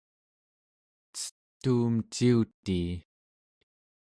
cetuum ciutii